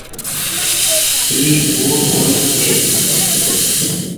اي ڪوڙ ڪونيٚ ڇي۔